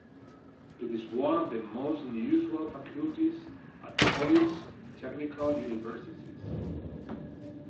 It is one of the most unusual faculties at Polish technical universities.